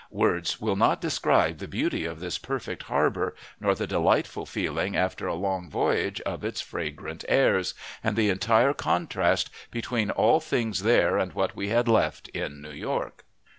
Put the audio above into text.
Words will not describe the beauty of this perfect harbor, nor the delightful feeling after a long voyage of its fragrant airs, and the entire contrast between all things there and what we had left in New York.